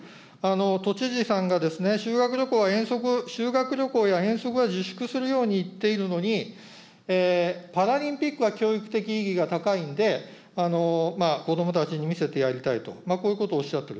都知事さんがですね、修学旅行、修学旅行や遠足は自粛するように言っているのに、パラリンピックは教育的意義が高いんで、子どもたちに見せてやりたいと、こういうことをおっしゃっている。